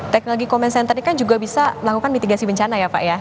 teknologi comment center ini kan juga bisa melakukan mitigasi bencana ya pak ya